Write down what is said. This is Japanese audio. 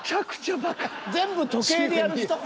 全部時計でやる人？